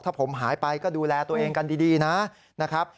ถ้าผมหายไปก็ดูแลตัวเองกันดีนะครับ